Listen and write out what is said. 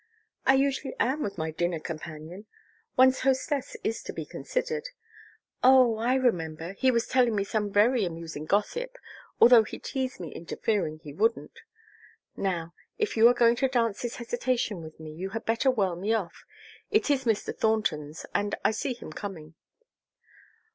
"I usually am with my dinner companion. One's hostess is to be considered. Oh I remember he was telling me some very amusing gossip, although he teased me into fearing he wouldn't. Now, if you are going to dance this hesitation with me you had better whirl me off. It is Mr. Thornton's, and I see him coming."